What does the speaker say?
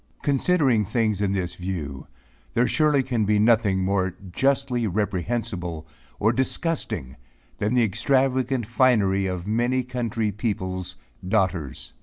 Considering things in this view, there surely can be nothing more justly reprehensible or disgusting than the extravagant finery of many country people's daughters.